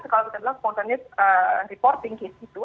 kalau kita bilang spontan reporting case itu